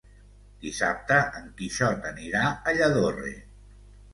Dissabte en Quixot anirà a Lladorre.